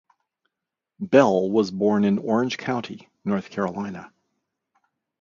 Bell was born in Orange County, North Carolina.